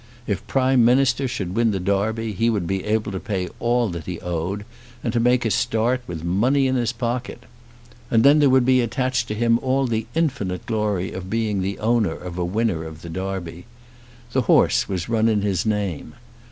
If Prime Minister should win the Derby he would be able to pay all that he owed, and to make a start with money in his pocket. And then there would be attached to him all the infinite glory of being the owner of a winner of the Derby. The horse was run in his name.